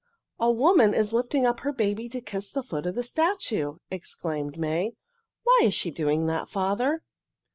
A woman is lifting up her baby to kiss the foot of the statue!" exclaimed May. "Why is she doing that, father?"